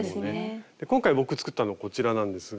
今回僕作ったのこちらなんですが。